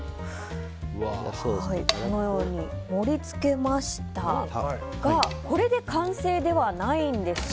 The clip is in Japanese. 盛り付けましたがこれで完成ではないんですよね。